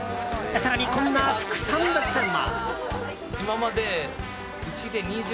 更に、こんな副産物も。